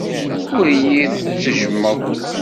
Ur iyi-tettejjmeḍ.